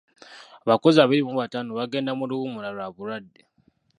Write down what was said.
Abakozi abiri mu bataano baagenda mu luwummula lwa bulwadde.